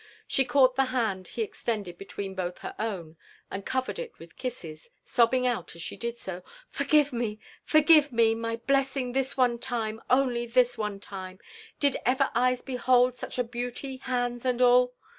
She caught the baud he extended between both her own, and covered it with IH LIFB AND ADVENTURBS OF kisses ; sobbing out as $he did so, i* Forgive me, forgive me, my blerss iDg, this one time, onl y this one time ! Did ever eyes behold such a beauty, hands and all